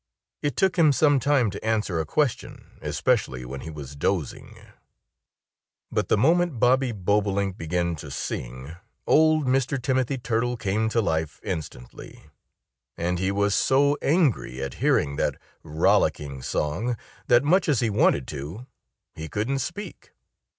It took him some time to answer a question, especially when he was dozing. But the moment Bobby Bobolink began to sing old Mr. Timothy Turtle came to life instantly. And he was so angry at hearing that rollicking song that much as he wanted to, he couldn't speak.